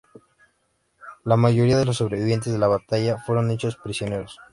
La mayoría de los sobrevivientes de la batalla fueron hechos prisioneros.